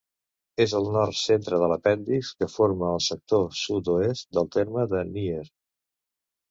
És al nord centre de l'apèndix que forma el sector sud-oest del terme de Nyer.